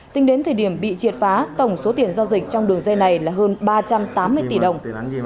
tính đến thời điểm bị triệt phá tổng số tiền giao dịch trong đường dây này là hơn ba trăm tám mươi tỷ đồng